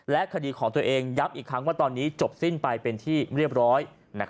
คดีของตัวเองย้ำอีกครั้งว่าตอนนี้จบสิ้นไปเป็นที่เรียบร้อย